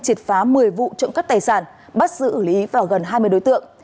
triệt phá một mươi vụ trộm cắp tài sản bắt giữ lý và gần hai mươi đối tượng